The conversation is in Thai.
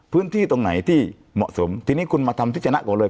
พื้นที่ตรงไหนที่เหมาะสมทีนี้คุณมาทำที่ชนะก่อนเลย